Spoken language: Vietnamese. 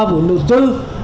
của lực sư